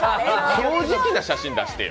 正直な写真出してよ。